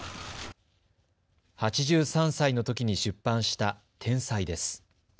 ８３歳のときに出版した天才です。